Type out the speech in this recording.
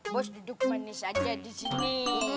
bos duduk manis aja di sini